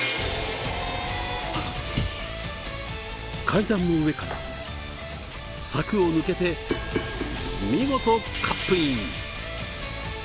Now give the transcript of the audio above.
階段の上から柵を抜けて見事カップイン！